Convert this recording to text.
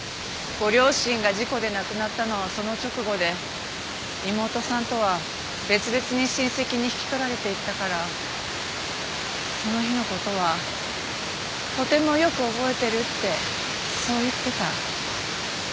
ご両親が事故で亡くなったのはその直後で妹さんとは別々に親戚に引き取られていったからその日の事はとてもよく覚えてるってそう言ってた。